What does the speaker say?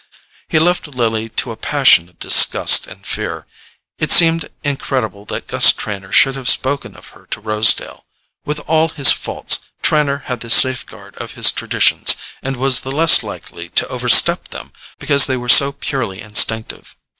He left Lily to a passion of disgust and fear. It seemed incredible that Gus Trenor should have spoken of her to Rosedale. With all his faults, Trenor had the safeguard of his traditions, and was the less likely to overstep them because they were so purely instinctive.